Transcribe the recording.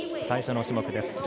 最初の種目です。